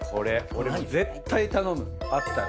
俺絶対頼むあったら。